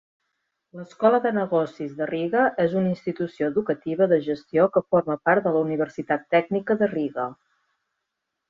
L'Escola de Negocis de Riga és una institució educativa de gestió que forma part de la Universitat Tècnica de Riga.